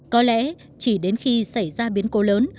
có lẽ chỉ đến khi xảy ra biến cố lớn